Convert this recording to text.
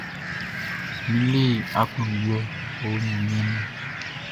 Mi le akloundjouê oh Gnanmien nou.